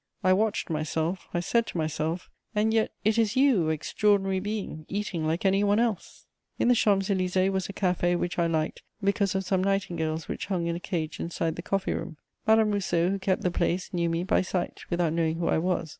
I watched myself, I said to myself: "And yet it is you, extraordinary being, eating like any one else!" In the Champs Élysées was a café which I liked because of some nightingales which hung in a cage inside the coffee room; Madame Rousseau, who kept the place, knew me by sight, without knowing who I was.